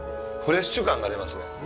フレッシュ感が出ますね。